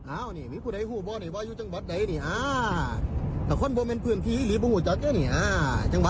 อันนี้มีผู้ใดหู้ป่อนิวว่าอยู่จังหวัดไหนนี่ฮะ